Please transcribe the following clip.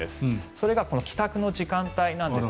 それが帰宅の時間帯です。